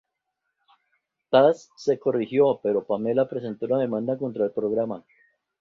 Tas se corrigió, pero Pamela presentó una demanda contra el programa.